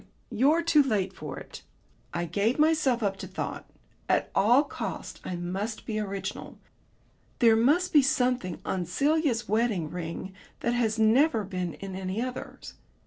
You're too late for it." I gave myself up to thought. At all costs I must be original. There must be something on Celia's wedding ring that had never been in any other's....